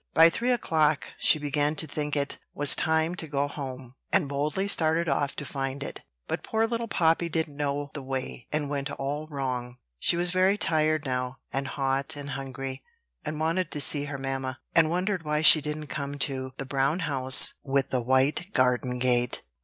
By three o'clock, she began to think it was time to go home, and boldly started off to find it. But poor little Poppy didn't know the way, and went all wrong. She was very tired now, and hot and hungry, and wanted to see mamma, and wondered why she didn't come to the brown house with the white garden gate.